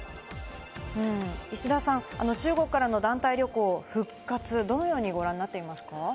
石田さん、この中国からの団体旅行復活、どのようにご覧になっていますか？